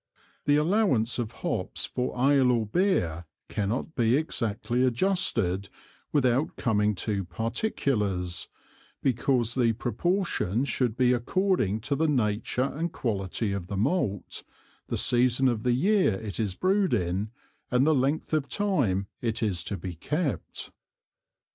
The allowance of Hops for Ale or Beer, cannot be exactly adjusted without coming to Particulars, because the Proportion should be according to the nature and quality of the Malt, the Season of the Year it is brew'd in, and the length of time it is to be kept.